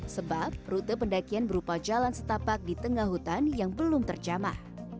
sebab rute pendakian berupa jalan setapak di tengah hutan yang belum terjamah